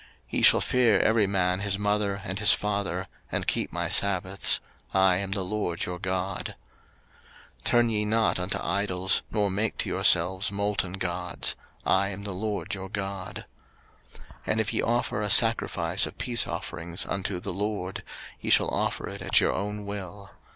03:019:003 Ye shall fear every man his mother, and his father, and keep my sabbaths: I am the LORD your God. 03:019:004 Turn ye not unto idols, nor make to yourselves molten gods: I am the LORD your God. 03:019:005 And if ye offer a sacrifice of peace offerings unto the LORD, ye shall offer it at your own will.